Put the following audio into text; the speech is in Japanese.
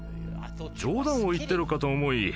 冗談を言ってるかと思い